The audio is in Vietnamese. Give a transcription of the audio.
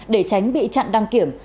để tránh bị chặn đăng kiểm